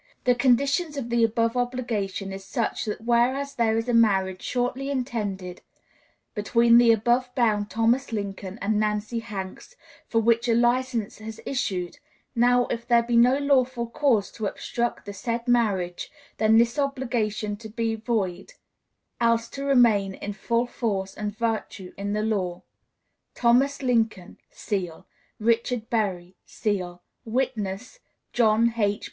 The condition of the above obligation is such that whereas there is a marriage shortly intended between the above bound Thomas Lincoln and Nancy Hanks, for which a license has issued, now if there be no lawful cause to obstruct the said marriage, then this obligation to be void, else to remain in full force and virtue in law. "THOMAS LINCOLN [Seal]. "RICHARD BERRY [Seal]. "Witness, JOHN H.